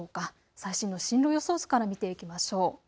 最新の進路予想図から見ていきましょう。